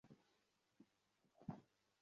নিজ সন্তানের মতো দেখতো তোমাকে সে।